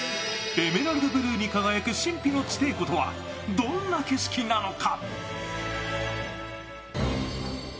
エメラルドブルーに輝く神秘の地底湖とはどんな景色なのか。